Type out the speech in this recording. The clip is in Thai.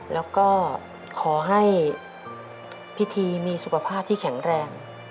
แล้วก็ขอให้พิธีมีสุขภาพที่แข็งแรง